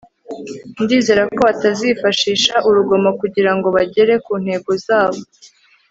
ndizera ko batazifashisha urugomo kugirango bagere ku ntego zabo